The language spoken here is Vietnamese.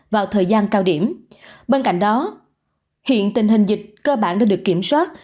vào thời gian cao điểm bên cạnh đó hiện tình hình dịch cơ bản đã được kiểm soát